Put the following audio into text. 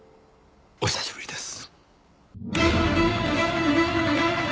お久しぶりです。